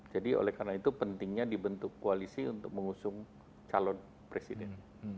jadi oleh karena itu pentingnya dibentuk koalisi untuk mengusung calon presiden